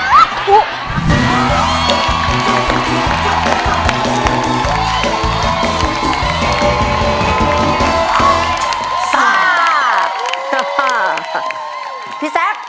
ยิ่งเสียใจ